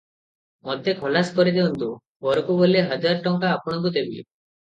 ମୋତେ ଖଲାସ କରିଦେଉନ୍ତୁ, ଘରକୁ ଗଲେ ହଜାର ଟଙ୍କା ଆପଣଙ୍କୁ ଦେବି ।"